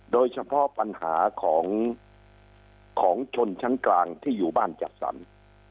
โดยเฉพาะปัญหาของชนชั้นกลางที่อยู่บ้านจัดสรร